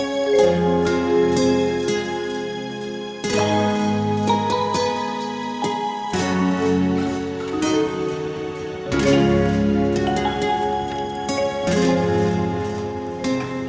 nggak bisa nyari nyari kesempatan deh